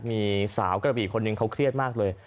มีสาวกระบี่คนหนึ่งเขาเครียดมากเลย